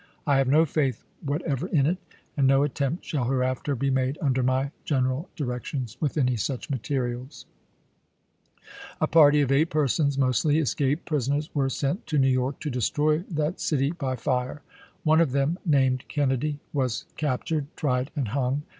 I have no faith whatever in it, and no CONSPIEACIES m THE NORTH 23 attempt shall hereafter be made under my gen chap.i. eral directions with any such materials." A party of eight persons, mostly escaped prison ers, were sent to New York to destroy that city by fire. One of them, named Kennedy, was captured, tried, and hung.